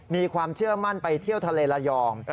มีความเชื่อมั่นไปเที่ยวทะเลระยอง